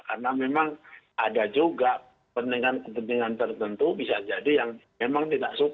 karena memang ada juga pentingan pentingan tertentu bisa jadi yang memang tidak suka